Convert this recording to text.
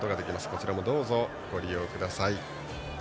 こちらも、どうぞご利用ください。